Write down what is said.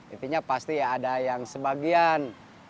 intinya pasti ya ada yang sebagian